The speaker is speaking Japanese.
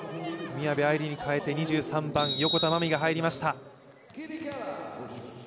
宮部藍梨に代えて、２３番、横田真未が入りました。